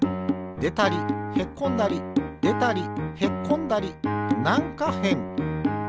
でたりへっこんだりでたりへっこんだりなんかへん。